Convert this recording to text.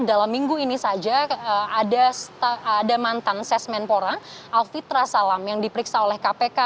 dalam minggu ini saja ada mantan sesmenpora alfitra salam yang diperiksa oleh kpk